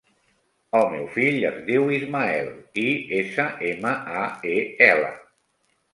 El meu fill es diu Ismael: i, essa, ema, a, e, ela.